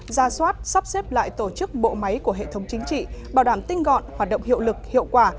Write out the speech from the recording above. ra soát sắp xếp lại tổ chức bộ máy của hệ thống chính trị bảo đảm tinh gọn hoạt động hiệu lực hiệu quả